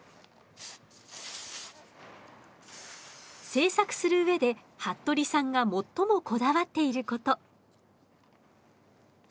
制作する上で服部さんが最もこだわっていること。